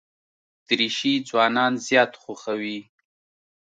دریشي ځوانان زیات خوښوي.